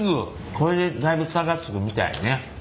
それでだいぶ差がつくみたいやね。